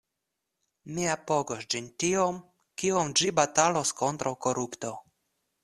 Mi apogos ĝin tiom kiom ĝi batalos kontraŭ korupto.